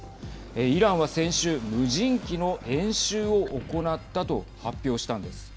イランは先週、無人機の演習を行ったと発表したんです。